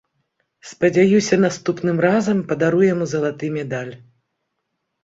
Спадзяюся, наступным разам падару яму залаты медаль.